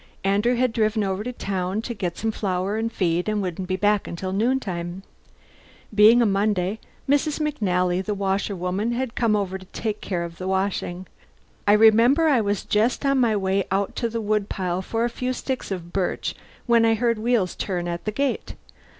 Andrew had driven over to town to get some flour and feed and wouldn't be back till noontime. Being a Monday, Mrs. McNally, the washerwoman, had come over to take care of the washing. I remember I was just on my way out to the wood pile for a few sticks of birch when I heard wheels turn in at the gate.